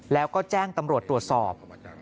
แล้วก็แจ้งตำรวจตรวจสอบ